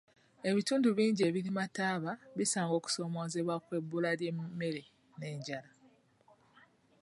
Ebitundu bingi ebirima taaba bisanga okusoomoozebwa kw'ebbula ly'emmere n'enjala.